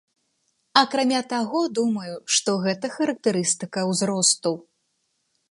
Акрамя таго, думаю, што гэта характарыстыка ўзросту.